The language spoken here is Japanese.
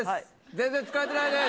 全然疲れてないです。